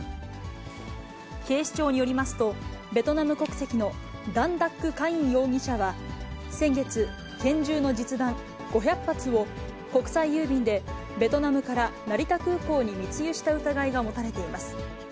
警視庁によりますと、ベトナム国籍のダン・ダック・カイン容疑者は、先月、拳銃の実弾５００発を国際郵便でベトナムから成田空港に密輸した疑いが持たれています。